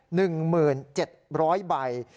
๑หมื่น๗๐๐ใบ